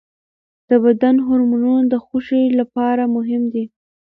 د بدن هورمونونه د خوښۍ لپاره مهم دي.